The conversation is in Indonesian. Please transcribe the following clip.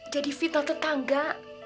jadi vital tetangga